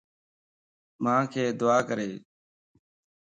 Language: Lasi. مانک دعا ڪريج